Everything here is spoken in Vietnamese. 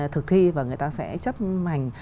thực thi và người ta sẽ chấp hành